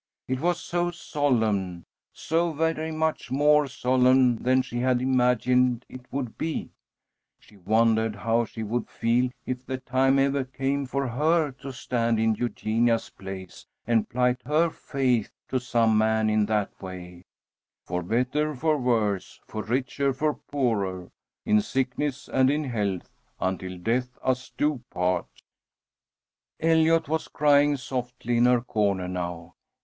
It was so solemn, so very much more solemn than she had imagined it would be. She wondered how she would feel if the time ever came for her to stand in Eugenia's place, and plight her faith to some man in that way "for better, for worse, for richer, for poorer, in sickness and in health, until death us do part." Eliot was crying softly in her corner now.